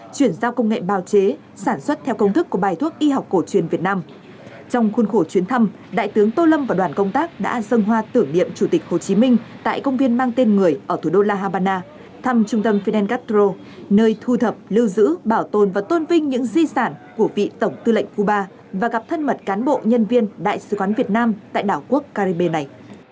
trong một chuyến thăm đại tướng tô lâm và đoàn công tác đã dâng hoa tưởng điệm chủ tịch hồ chí minh tại công viên mang tên người ở thủ đô la habana thăm trung tâm finengatro nơi thu thập lưu giữ bảo tồn và tôn vinh những di sản của vị tổng tư lệnh cuba và gặp thân mật cán bộ nhân viên đại sứ quán việt nam tại đảo quốc caribe này